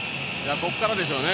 ここからでしょうね